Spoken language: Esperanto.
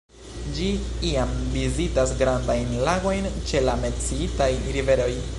Ĝi iam vizitas grandajn lagojn ĉe la menciitaj riveroj.